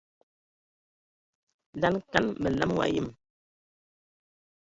Laŋa kan məlam wa yəm.